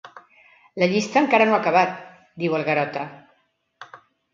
La llista encara no ha acabat —diu el Garota—.